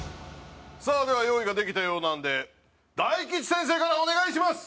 さあでは用意ができたようなので大吉先生からお願いします。